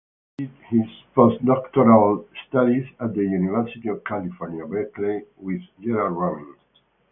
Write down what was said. He did his postdoctoral studies at the University of California, Berkeley with Gerald Rubin.